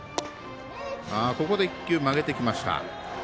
ここで、１球曲げてきました。